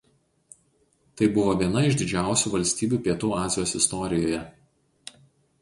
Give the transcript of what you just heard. Tai buvo viena iš didžiausių valstybių Pietų Azijos istorijoje.